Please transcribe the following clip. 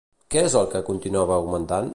Què és el que continuava augmentant?